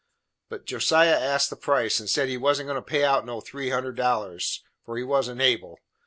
But Josiah asked the price, and said he wasn't goin' to pay out no three hundred dollars, for he wasn't able.